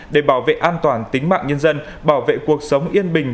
để bảo vệ an toàn tính mạng nhân dân bảo vệ cuộc sống yên bình